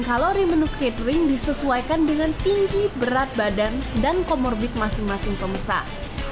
kalori menu catering disesuaikan dengan tinggi berat badan dan comorbid masing masing pemesan